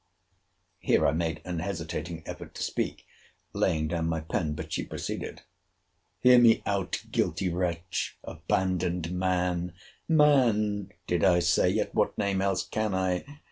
Here I made an hesitating effort to speak, laying down my pen: but she proceeded!—Hear me out, guilty wretch!—abandoned man!—Man, did I say?—Yet what name else can I?